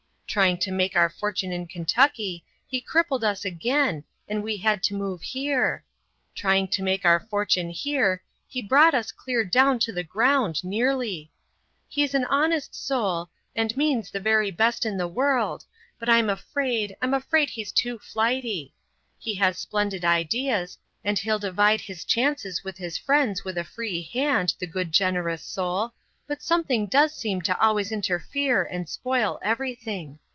Trying to make our fortune in Kentucky he crippled us again and we had to move here. Trying to make our fortune here, he brought us clear down to the ground, nearly. He's an honest soul, and means the very best in the world, but I'm afraid, I'm afraid he's too flighty. He has splendid ideas, and he'll divide his chances with his friends with a free hand, the good generous soul, but something does seem to always interfere and spoil everything.